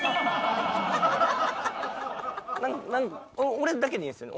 俺だけでいいんですよね？